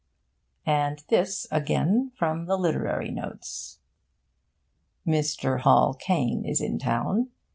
And this, again from the Literary Notes: Mr. Hall Caine is in town.